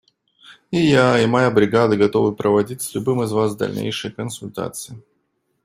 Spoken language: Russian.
И я, и моя бригада готовы проводить с любым из вас дальнейшие консультации.